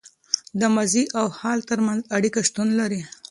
د ماضي او حال تر منځ اړیکه شتون لري.